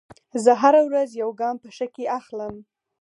زه هره ورځ یو ګام په ښه کې اخلم.